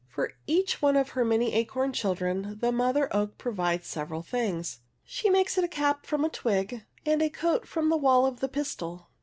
For each one of her many acorn children the mother oak provides several things. She makes it a cap from a twig, and a coat from the wall of the pistil.